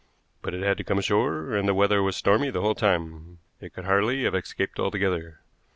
"But it had to come ashore, and the weather was stormy the whole time. It could hardly have escaped altogether.